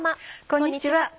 こんにちは。